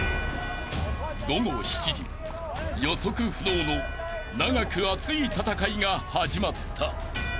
［午後７時予測不能の熱く長い戦いが始まった］